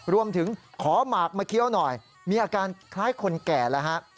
รวมถึงขอหมากมาเคี้ยวหน่อยมีอาการคล้ายคนแก่แล้วฮะ